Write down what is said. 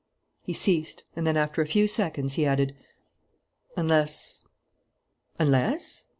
He ceased; and then, after a few seconds, he added: "Unless " "Unless?"